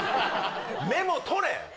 メモ取れ！